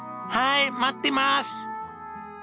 はーい待ってまーす。